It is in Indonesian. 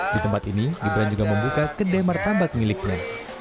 di tempat ini gibran juga membuka kedai martabak miliknya